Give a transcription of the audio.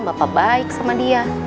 bapak baik sama dia